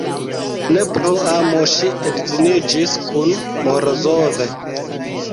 Ne pro amo ŝi edziniĝis kun Morozov.